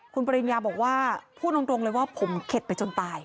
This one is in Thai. คุณปริญญาบอกว่าพูดตรงเลยว่าผมเข็ดไปจนตาย